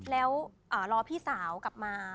แล้วรอพี่สาวกลับมา